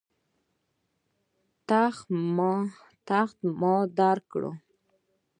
تخت ما درکړ.